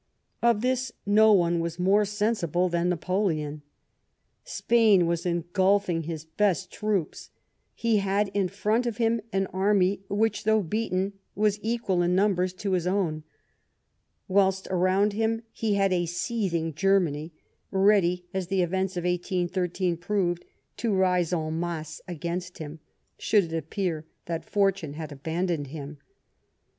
Of this no one was more sensible than Napoleon. Spain was engulfing his best troops ; he had in front of him an army which, though beaten, was equal in numbers to his own ; whilst around him he had a seething Germany, ready, as the events of 1813 proved, to rise en masse against him, should it appear that Fortune had abandoned him.